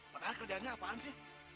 padahal kerjaannya apaan sih